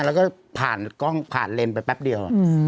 แล้วก็ผ่านกล้องผ่านเลนไปแป๊บเดียว